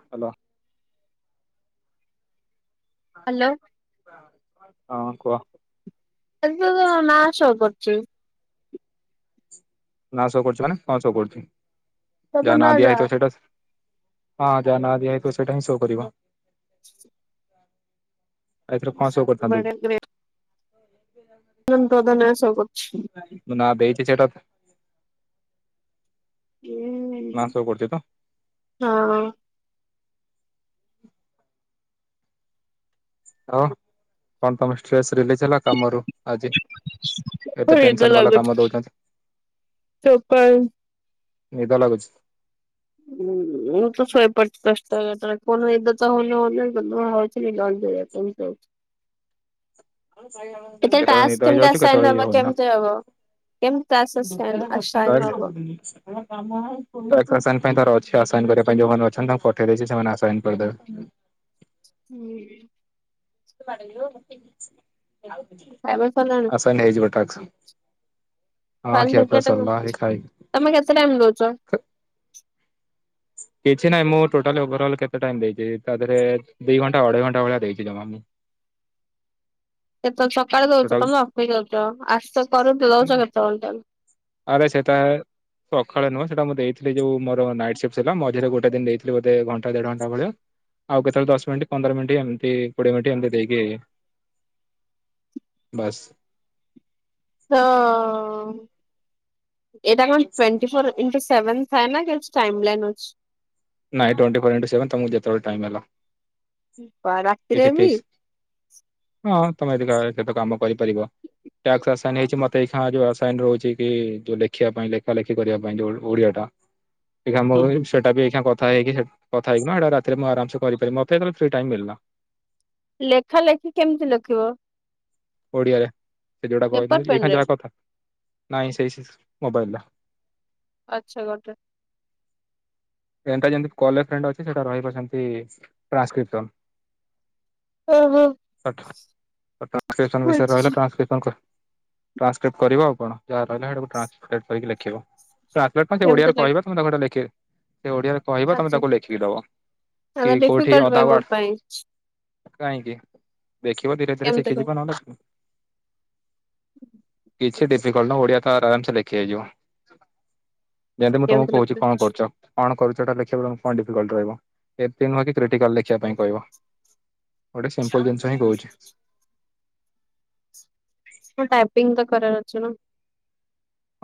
Hello. Hello ହଁ କୁହ? ଇ ନାଁ ସୋ କରୁଛି। ନାଁ ସୋ କରୁଚି ମାନେ କଣ ସୋ କରୁଛି ତମ ଯାହା ନାଁ ଦିଆ ଯା ହେଇଥ ସେଇଟା ହଁ ଯା ନାଁ ଦିଆ ହେଇଥିଲା ସେଇଟା ହିଁ ଶୋ କରିବ। ଏଥରେ କଣ ସୋ କରିଥାନ୍ତା ବଡେ କି? ଗ୍ରେ ତୋ ତ ନାଁ ଶୋ କରୁଛି ମୁଁ ନାଁ ଦେଇଛି ସେଟା ତ ନାଁ ସୋ କରଛି ତ? ହଁ ହଁ କଣ ତମେ ଷ୍ଟ ହେଲେ ସିନା କାମ ରୁ ଆଜି ଏତେ ଟେନସନ ବାଲା କାମ ଦଉଛନ୍ତି। ଚପଲ ନିଦ ଲାଗୁଛି। ହୁଁ ମୁଁ ତ ଶୋଇପଡ଼େ ଦଶ ଟା ବାଜିଲେ ନିଦ ତ ହେଉନି [unintelligible] [unintelligible] କେତେବେଳେ ଟାସ୍କ ନିଦ କେମିତି ହେଇଯାଉଛିୁ ଆସାଇନ କେତେବେଳେ ଇଏ ହବ ହଉନି ନା। କେମିତି ହବ କେମିତି ଟାସ୍କ [unintelligible] ସେ ଆସାଇନ ଆସାଇନ ହବ? ଆସାଇନ୍ କରିବା ପାଇଁ ଯୋଉଁ ମାନେ ଅଛନ୍ତି। ତାଙ୍କୁ ପଠେଇ ଦେଇଛି ସେ ଆସାଇନ କରିଦେବେ। ହୁଁ। ଖାଇବା ସରିଲାଣି ଆସାଇନ ହେଇଯିବ ଟାକ୍ସ। ହଁ କାଲି ଖିଆ ପିଆ ଦେଖିବା ସରିଲା ଏଇ ଖାଇ ତମେ କେତେ ଟାଇମ ଦଉଛ? କିଛି ନାହିଁ ମୁଁ ଟୋଟାଲ ଓଭରାଲ୍ କେତେ ଟାଇମ୍ ଦେଇଦିଏ ତା ଥିରେ ଦି ଘଣ୍ଟା ଅଢେଇ ଘଣ୍ଟା ଭଳିଆ ଦେଇଛି ଜମା ମୁଁ। କେତେ ସକାଳେ ଦଉଛ ଟୋଟାଲ ତମେ ଅଫିସ ଯାଉଚ ଆସୁଛ କରନ୍ତୁ ଦଉଛ କେତେବେଳେ ଟାଇମ? ଆରେ ସେଟା ସକାଳେ ନୁହଁ ସେଟା ମୁଁ ଦେଇଥିଲି ଯଉଁ ମୋର ନାଇଟ୍ ସିଫ୍ଟ ଥିଲା। ମଝିରେ ଗୋଟେ ଦିନ ଦେଇଥିଲି ବୋଧେ ଘଣ୍ଟେ ଦେଢ ଘଣ୍ଟା ଭଳିଆ ଆଉ କେତେବେଳେ ଦଶ ମିନିଟ୍ ପନ୍ଦର ମିନିଟ୍ ଏମିତି କୋଡିଏ ମିନିଟ୍ ଏମିତି ଦେଇକି ବାସ୍ ତ ଏଟା କଣ ଟଣ୍ଟି ଫୋର ଇଣ୍ଟୁ ସେଭେନ୍ ଥାଏ ନା କେ ଟାଇମ ଲାଇନ ଅଛି। ନାଇଁ ଟ୍ୱଣ୍ଟି ଫୋର ଇଣ୍ଟୁ ସେଭନ୍ ତମକୁ ଯେତେବେଳେ ଟାଇମ୍ ହେଲା। ବା କିଛି ରାତିରେବି ଫିକ୍ସ ହଁ ତମେ ଯଦି ଏ ତକ କାମ କରିପାରିବ ଟାକ୍ସ ଆସାଇନ ହେଇଛି ମତେ ଏଇ ଯୋଉଁ ଆସାଇନ ରହୁଛି କି ଯୋଉଁ ଲେଖିବା ପାଇଁ ଲେଖାଲେଖି କରିବା ପାଇଁ ଯୋଉଁ ଓଡ଼ିଆ ଟା ଏ ମ ସେଟା ବି ଏ କଥ କଥା ହେଇକି କଥା ହେଇକିନା ସେଟା ରାତିରେ ମୁଁ ଆରାମେ କରି ପାରେ ମତେ ଫ୍ରି ଟାଇମ ମିଳିଲା। ଲେଖାଲେଖି କେମିତି ଲେଖିବ? ଓଡ଼ିଆରେ ସେ ଯୋଉଁଟା କ ପେପର ମୁ ପେନ ଏଇା ରେ ଯାହା କଥା ନାଇଁ ସେଇ ମୋବାଇଲ ର ଆଛା ଗୋଟେ ଏଟା ଯେମତି କଲ ଏ ଫ୍ରେଣ୍ଡ ଅଛି। ସେଟା ରହିବ ସେମିତି ଟ୍ରାନ୍ସକ୍ରିପସନ୍। ଓହୋ ଟ୍ରକ୍ରି ଟ୍ରାନ୍ସକ୍ରିପସନ ବିଷୟରେ ରହିଲ ବୁଝୁଛି ଟ୍ରାନ୍ସକ୍ରିପସନ କରି ଟ୍ରାନ୍ସକ୍ରିପ୍ଟ୍ କରିବ। ଆଉ କଣ ଯାହା ରହିଲା ସେଇଟାକୁ ଟ୍ରାନ୍ସଲେଟ୍ କରିକି ଲେଖିବ। ଟ୍ରାନ୍ସଲେଟ ପାଇଁ ସେ କେମିତି ଓଡ଼ିଆରେ ଲେଖ କହିବ ତମେ ତାକୁ ଲେଖି ସେ ଓଡିଆରେ କହିବ, ତମେ ଆଚ୍ଛା ତାକୁ ଲେଖିକି ଦବ କି ତାହେଲେ -କୋଉଠି ଡିଫିକଲ୍ଟ ବେ ମୋ ଅଧାୱାର୍ଡ ପାଇଁ କାହିଁକି? ଦେଖିବ ଧୀରେ ଧୀରେ କେମିତି କ ଶିଖିଯିବ, ନହେଲେ କିଛି ଡିଫିକଲଟ ନା, ଓଡିଆ ତ ଆରାମସ ଲେଖି ହେଇଯିବ । ଯେମିତି ମୁଁ କେମିତି ତମକୁ କହୁଛି, ଲେଖିବି କଣ କରୁଛ? କଣ କରୁଛଟା ଲେଖିବା ବ କଣ ଡିଫିକଲଟ ରହିବ, ଏମିତି ନୁହଁ କି କ୍ରଟିକାଲ୍ ରେ ଲେଖିବା ପାଇଁ କହିବ । ଗୋଟେ ସିମ୍ପଲ ଜିନିଷ ହିଁ କହୁଛି । ମୁଁ ଟାଇପିଂ ତ କରବାର ଅଛି ନା ।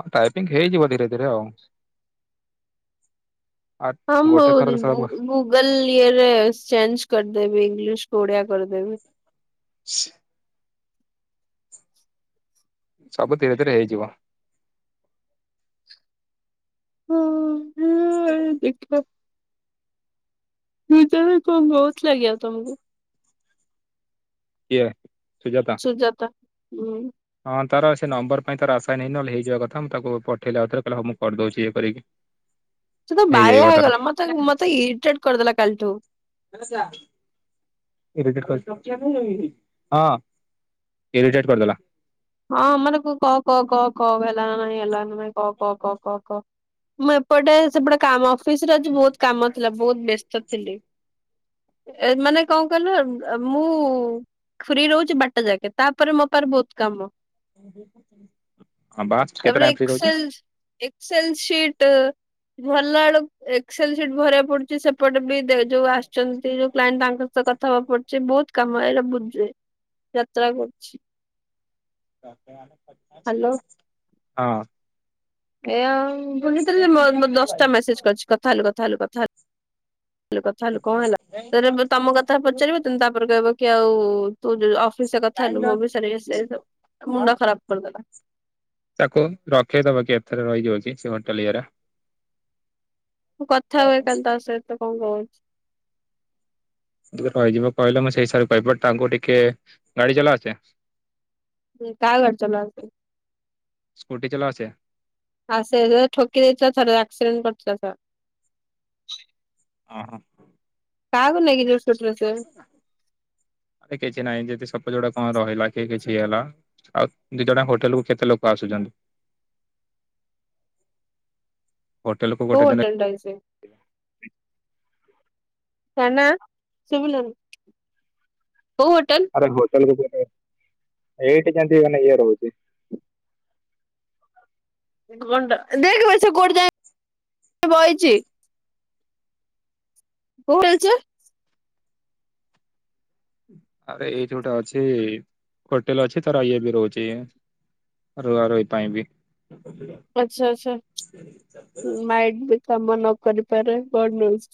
ହଁ ଟାଇପିଙ୍ଗ ହେଇଯିବ ଧୀରେ ଧୀରେ ଆଉ ଆ ହମ ଗୋଟେ ଥରରେ ସବୁ ଗୁଗଲ ୟରେ ଚେଞ୍ଜ କରି ଦେବି ଇଂଲିଶ ଓଡ଼ିଆ କରିଦେବି । [inaudible] ସବୁ ଧୀରେ ଧୀରେ ହେଇଯିବ। ହଁ ହଁ ଦେଖିବା। ଜଣ କ [unintelligible] ବହୁତ ଲାଗିଆ ତମକୁ କିଏ? ସୁଜାତା, ହୁଁ ହଁ ତାର ସେ ନମ୍ବର ପାଇଁ ତାର ଆଶା ଇନ୍ ହେଇନି, ନହେଲେ ହେଇଯିବା କଥା, ମୁଁ ତାକୁ ପଠେଇଲି ଆଉଥରେ, କହିଲା ହଉ ମୁଁ କରିଦେଉଛି ଇଏ କରିକି ସେ ତ ବାୟା ହେଇଯାଇବ ତାର ହେଇଗଲା ମତେ, ମତେ ଇରିଟେଟ କରିଦେଲା କାଲିଠୁ । ନମସ ଆ [unintelligible] ହଁ ଇରିଟେଟ କରିଦେଲା । ହଁ ଆମର କ କ କ କ କ ହେଲାନ ନାଇଁ ହେଲାନ ନାଇଁ କ କ କ କ କ ମୁଁ ଏପଟେ ସେପଟେ କାମ ଅଫିସରେ ଆଜି ବହୁତ କାମ ଥିଲା, ବହୁତ ବ୍ୟସ୍ତ ଥିଲି । ଏ ମାନେ କଣ କହିଲ ମୁଁ ଫ୍ରି ରହୁଛି ବାରଟା ଯାକେ, ତାପରେ ମୋ ପା ବହୁତ କାମ । ବାସ, କେତେ ଟାଇମ ଫ୍ରି ରହୁଛ? ଏସଲ ସଟ ଭଲ ବେଳ ଏକ୍ସଲ ସିଟ୍ ଭରିବା ପଡୁଛି ସେ ପଟ ବି ଯୋଉ ଆସିଛନ୍ତି ଯୋଉ କ୍ଏଣ୍ଟ ତାଙ୍କ ସହ କଥା ହବାକୁ ପଡୁଛି ବହୁତ କାମାଇଲା ବୁଜେ ଯାତ୍ରା କରୁଛି । ହଁ । ଏ ଆଉ ପୁଣି ଥରେ ଦଶଟା ମେସେଜ କରିଛି କଥା ହେଲୁ କଥା ହେଲୁ କଥା ହେଲୁ । କହିଲେ କଥା ହେଲୁ କଣ ହେଲା? ତା ତମ କଥା ପଚାରିବ ତମୁ ତାପରେ କହିବ କି ଆଉ ତୁ ଯୋଉ ଅଫିସରେ କଥା ହେଲୁ ମୋ ବିଷୟ ଇଏସିଏ । ମୁଣ୍ଡ ଖରାପ କରିଦେଲା । ତାକୁ ରଖେଇଦବ କି ଏଥର ରହିଯାଉଛି ସେ ହୋଟେଲ ଇଏରେ । କଥା ହୁଏ କାଲି ତା ସହିତ କଣ କହୁଛି । ଟିକେ ରହିଯିବ କହିଲେ ମୁଁ ସେଇ ହିସାବ କହିବିଟ ତାଙ୍କୁ ଟିକେ ଗାଡି ଚଲାଆସେ? ହ କ ଘଚଲ ଆ [unintelligible] ସ୍କୁଟି ଚଲା ଆସେ? ଆ ସେ ଠକି ଦେଇଥିଲା ଥରେ, ଆକ୍ସିଡେଣ୍ଟ କରିଥିଲା ର ଓ ହୋ । କାହାକୁ ନେଇକି ଯୋ ଆରେ କିଛି ନାଇଁ ଯଦି ସପ ଯୋଡା ହଁ ରହିଲା କି କିଛି ହେଲା, ଆଉ ଦି ଜଣ ହୋଟେଲ କୁ କେତେ ଲୋକ ଆସୁଛନ୍ତି [inaudible] କୁ ଗୋଟେ କୋଉ ଦିନ ହୋଟଲ ଟା କି ସେ? ସେନା ଶିବିଲର [unintelligible] ଆରେ ହୋଟେଲ ଏଇଠ କେନ୍ତି ମାନ ଏଇ ରହୁଛି । ଘଣ୍ଟା ଦେଖ ବ ସେ କୋଉଠି ଯାଏଛି [unintelligible] ବଛ [unintelligible] ଆରେ ଏଇ ଯୋଉଟା ଅଛି ହୋଟେଲ ଅଛି ତାର ଇଏ ବି ରହୁଛି ରୁହା ରୁହି ପାଇଁ ବି ଆଚ୍ଛା ଆଚ୍ଛା। [unintelligible] ତମ ନ କରିପାରେ ଗଡ୍ନ୍ୟୁଜ୍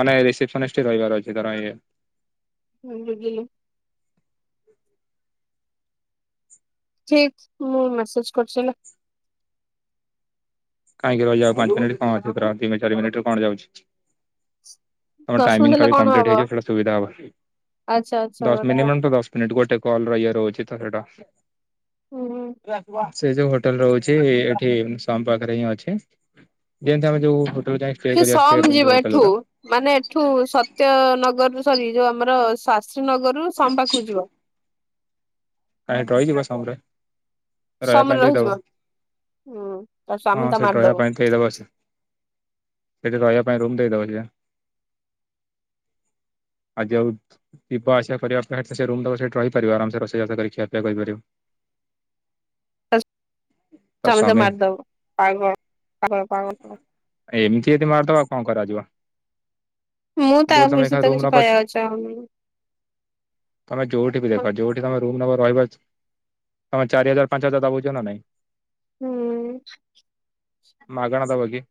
ମାନେ ରିସେପସନିଷ୍ଟ ରହିବାର ଅଛି। [unintelligible] [unintelligible] ଠିକ ମୁଁ ମେସେଜ କରୁଚି ହେଲା କାହିଁକି ରହିଲେ ଆଉ ପାଞ୍ଚ ମିନିଟ୍ କଣ ଅଛି ଦି ଚାରି ମିନିଟରେ କଣ ଯାଉଛି। ତମ ଦଶ ଟାଇମିଂ ମିନିଟ ର ହେଲେ କଣ କଂପ୍ଲିଟ୍ ହବ ହେଇଯିବ ସେଟା ସୁବିଧା ହବ। ଆଚ୍ଛା ଆଚ୍ଛା ଦଶ ଗୋଟେ ମିନିମମ୍ ତ ଦଶ ମିନିଟ ଗୋଟେ କଲର ଇଏ ରହୁଛି ତ ସେଇଟା ହୁଁ ହୁଁ । ସେ ଯୋଉ ହୋଟେଲ ରହୁଛି ଏଠି ସମ୍ ପାଖରେ ହିଁ ଅଛି। ଯେମିତି ଆମେ ଯୋଉ ହୋଟେଲ ଯାଇ ଷ୍ଟେ ସେ କରିବା ଷ୍ଟେ ସମ ପାଇଁ ଯୋଉ ଯିବ ହୋଟେଲ ଏଠୁ ଗୁରା ମାନେ ଏଠୁ ସତ୍ୟ ନଗର ସରି ଯୋଉ ଆମର ଶାସ୍ତ୍ରୀ ନଗରରୁୁ ସମ୍ ପାଖକୁ ଯିବ। କାହିଁ ଏଠି ରହିଯିବା ସମରେ ରହିବା ସମରେ ପାଇଁ ଦେଇ ଦବ। ରହିଯିବ ହୁଁ ତା ହଁ ସ୍ୱାମୀ ତା ସେଠି ରହିବା ମାରିଦବ ପାଇଁ ଦେଇଦବ ସେ। ସେଠି ରହିବା ପାଇଁ ରୁମ୍ ଦେଇଦବ ସେ। ଆ ଯଉ ଯିବ ଆସିବା କରିବା ଅପେକ୍ଷା ସେ ରୁମ୍ ଦବ ସେଇଠି ରହିପାରିବ ଆରାମ ସେ ରୋଷେଇ ଭାତ କରିକି। ଖିଆ ପିଆ କରିପାରିବ। [unintelligible] ତା ସ୍ୱାମୀ [unintelligible] ମାରିଦବ। ଏମିତି ଯଦି ମାରିଦବ ଆଉ [unintelligible] କଣ କରାଯିବ? ମୁଁ ତା ଯୋଉଠି ତମେ ବିଷୟରେ ଏଖା ତ ରୁମ କିଛି ନବ କହିବାକୁ ଚାହୁଁନି। ତମେ ଯୋଉଠି ବି ଦେଖ ଯୋଉଠି ତମେ ରୁମ ନବ ରହିବ ତମେ ଚାରି ହଜାର ପାଞ୍ଚ ହଜାର ତା ବୁଝ ନା ନାଇଁ। ହୁଁ ମାଗଣା ଦବ କି?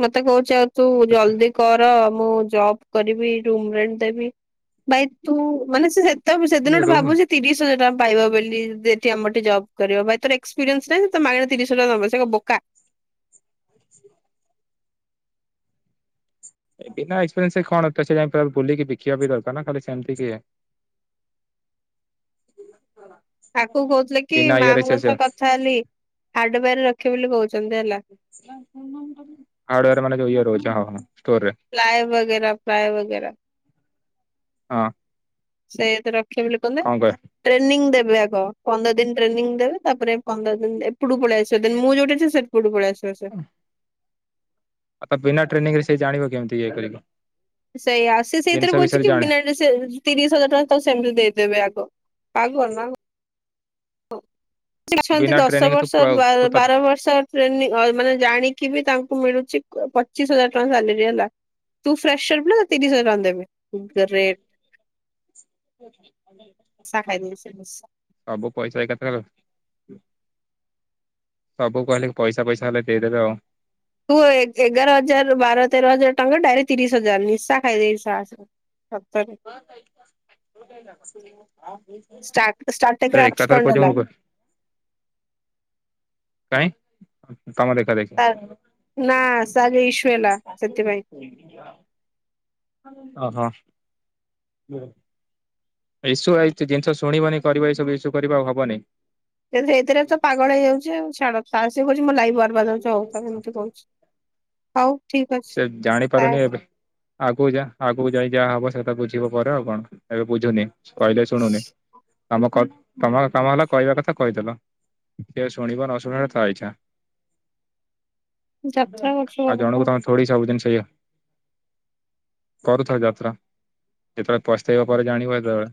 ମତେ କହୁଚି ଆଉ ତୁ ଜଲଦି କର ମୁଁ ଜବ କରି ବି ରୁମ୍ ରେଣ୍ଟ ଦେବି। ଭାଇ ତୁ ମାନେ ସେତ ସେଦିନ ଠୁ ରୁମ୍ ଭାବୁଛି ତିରିଶ ହଜାର ଟଙ୍କା ପାଇବା ବୋଲି ଯେଠି ଆମରେ ଜବ୍ କରିବ। ଭାଇ ତୋର ଏକ୍ସପେରିଏନ୍ସ ନାହିଁ ସେ ମାଗଣେ ତିରିଶି ହଜାର ଟଙ୍କା ଦବ ସେ କଣ ବୋକା। [inaudible] ବିନା ଏକ୍ସପେରିଏନ୍ସ କଣ ତ ସେ ଯାଇ ବୁଲିକି ବିକିବା ବି ଦରକାର ନା ଖାଲି ସେମିତି କିଏ। [inaudible] ଆକୁ କହୁଥିଲେ କି ସେ ମାମଙ୍କ ସହ କଥା ହେଲି ହାଡୱାରେ ରଖିବ ବୋଲି କହୁଛି। ହାର୍ଡୱାର ମାନେ ଯୋଉ ଇଏ ରହୁଛି। ହଁ। ଷ୍ଟୋରରେ ଫ୍ଲାଏ ବଗେରା ଫ୍ଲାରେ ବଗେରା ହଁ। ସେତ ରଖିବ ବୋଲି କହିଲେ କଣ କହ ଟ୍ରେନିଂ ଦେବ ଯାକ ପନ୍ଦର ଦିନ ଟ୍ରେନିଂ ଦେବେ ତାପରେ ପନ୍ଦର ଦିନ ଏପଟୁ ପଳେଇ ଆସିବ ଦେନ ମୁଁ ଯୋଉଠି ଅଛି ସେପଟୁ କୁ ପଳେଇ ଆସିବ। [unintelligible] ଆଉ ବିନା ଟ୍ରେନିଂ ରେ ସେ ଜାଣିବ କେମିତି ଇଏ କରିବ? ସେଇଆ ସିଏ ସେଇଥିରେ କହୁଛି କି ତିରିଶ ହଜାର ଟଙ୍କା ତାକୁ ସେମିତି ଦେଇଦେବେ ଆଗ। ଆଉ କଣ ନହେଲେ ହଉ। ଅଛନ୍ତି ବିନା ଦଶ ଟ୍ରେନିଂ ତୁ ବର୍ଷ ବାର ବର୍ଷ ଟ୍ରେନି ମାନେ ଜାଣିକି ବି ତାଙ୍କୁ ଙ୍କୁ ମିଳୁଚି ପଚିଶ ହଜାର ଟଙ୍କା ସାଲେରୀ ହେଲା। ତୁ ଫ୍ରେସର ପିଲା ତତେ ତିରିଶ ହଜାର ଟଙ୍କା ଦେବେ। ଗ୍ରେଟ୍ ସବୁ ପଇସା ଏକାଥର ସବୁ କହିଲେ କି ପଇସା ପଇସା ହେଲେ ଦେଇଦେବେ ଆଉ। ତୁ ଏଗାର ହଜାର ରୁ ବାର ତେର ହଜାର ଟଙ୍କା ଡାଇରେକ୍ଟ ତିରିଶ ହଜାର ନିଶା ଖାଇଦେଇଛି ସାସ ଷ୍ଟାର୍ଟ [unintelligible] ଷ୍ଟାର୍ଟରେ ଏକାଥର ଆବସେଣ୍ଟ କଚ ହେଲା ମୁ କ କାଇଁ। ତମ ଦେଖା ଦେଖି। ନା ତାର ଯୋଉ ଇସୁ ହେଲା ସେଥିପାଇଁ ଓ ହୋ। ଇସୁ ଆଇ ଜିନିଷ ଶୁଣିବନି କରିବ ଏଇ ସବୁ ଇସୁ କରିବ ଆଉ ହବନି। ସେଥିରେ ତ ପାଗଳ ହେଇଯାଉଛି ଛାଡ ତାରସେ ଲାଇଭବା ଯାଉଛି ହଉ ଏମତି କହୁଛି ହଉ। ଠିକ ସେ ଜାଣି ପାରୁନି ଏବେ ଅଛି ଆଗକୁ ଯା ଆଗକୁ ଯାଇ ଯାହା ହବ ସେଟା ବୁଝିବ ପରେ ଆଉ କଣ ଏବେ ବୁଝୁନି? କହିଲେ ଶୁଣୁନି ତମ ତମ କାମ ହେଲା କହିବା କଥା କହିଦେଲ। କେ ଶୁଣିବ ନସୁଣିବ ତା ଇଛା। ଯାତ୍ରା କରୁଛୁ ଆଉ ଘରକୁ ଜଣକୁ ତମେ ଥଡ଼ି ସ ଆଉଜିନ ସଇବ। କରୁଥାଅ ଯାତ୍ରା ଯେତେବେଳେ ପସ୍ତେଇବ ପରେ ଜାଣିବ ହେତେବେଳେ।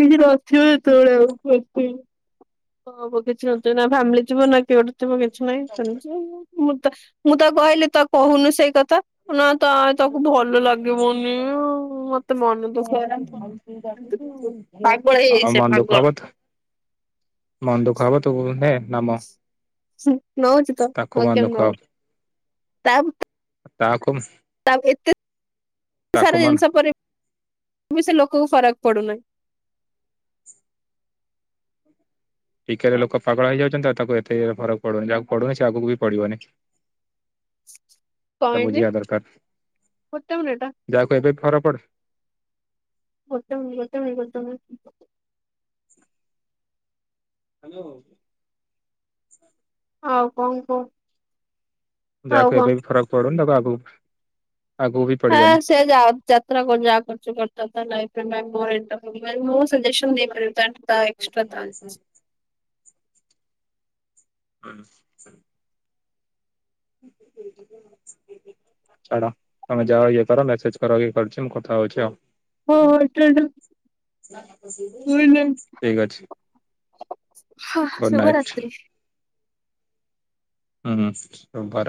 କିଛି ନଥିବ ଯେତେବେଳେ ଆଉସି ହଁ ହବ କିଛି ନା ଫ୍ୟାମିଲି ଥିବ ନା କିଟେ ଥିବ କିଛି ନାହିଁ ସେମିତି ଆଉ। ମୁଁ ତ କହିଲି ତ କହୁନୁ ସେଇ କଥା। ତା ନା ତ ଆ ତାକୁ ଭଲ ଲାଗିବନି ଆଉ। ପାଗଳ ହେଇଯାଇଛି ଆଉ ସେ ମନ ଦୁଃଖ ପାଗଳ। ଜବତ ମନଦୁଖ ବ ତ ହଁ ନାମ ତାଙ୍କ ମନ ଦୁଃଖ ହେବ। ତାବ ତା ଏତେ ତାକୁ ସାରା ମନ ଜିନିଷ ପରେ ବି ସେ ଲୋକଙ୍କୁ ଫରକ ପଡୁନାହିଁ। ଟିକରେ ଲୋକ ପାଗଳ ହେଇଯାଉଛନ୍ତି ଆଉ ତାକୁ ଏତେ ଫରକ ପଡୁନି ଯାହାକୁ ପଡୁନି ସେ ଆଗକୁ ବି ପଡିବନି। କଣ ସେ ହେଇଛି ବୁଝିବା ଦରକାର। ଗୋଟେ ମିନିଟ ଯାହାକୁ ଏବେ ଫରକ ପଦେ ଗୋଟେ ମିନିଟ୍। ହ୍ୟାଲୋ। ଆଉ କଣ କୁହ? ଆଉ ଯାହାକୁ କଣ? ଏବେ ବି ଫରକ ପଡୁନି ତାକୁ ଆଗକୁ ଆଗକୁ ବି ହଁ ପଡିବନି ସେ ଯ ଯାତ୍ରା ଯାହା କରୁଛି କରୁଥାଉ ତା ମୋର ମୁ ସଜେସନ୍ ଦେଇପାରିବ ଏକ୍ସ୍ । ହଁ। ଛାଡ଼ ତମେ ଯାଅ ଇଏ କର ମେସେଜ କରଏ କରୁଛି ମୁଁ କଥା ହଉଛି ହଁ ଆଉ। ହଁ ଏଇଟା ଏଇଟା ଠିକ ଅଛି। ହଁ ଗୁଡ ଶୁଭ ନାଇଟ୍ ରାତ୍ରି। ହୁଁ ଶୁଭ